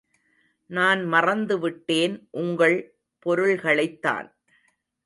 நான் மறந்துவிட்டேன் உங்கள் பொருள்களைத்தான்.